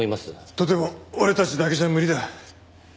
とても俺たちだけじゃ無理だ。